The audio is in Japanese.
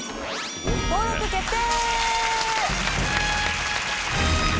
登録決定！